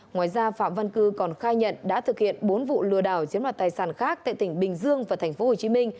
ngoài ra phạm văn cư còn khai nhận đã thực hiện bốn vụ lừa đảo chiếm đoạt tài sản khác tại tỉnh bình dương và tp hcm